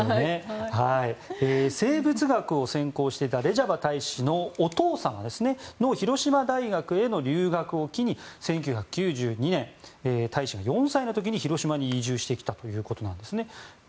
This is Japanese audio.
生物学を専攻していたレジャバ大使のお父様が広島大学への留学を機に１９９２年、大使が４歳の時に広島に移住してきたということですね。